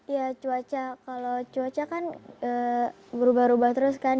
ya cuaca kalau cuaca kan berubah ubah terus kan